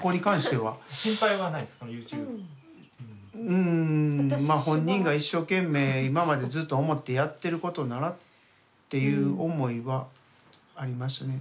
うんまあ本人が一生懸命今までずっと思ってやってることならっていう思いはありますね。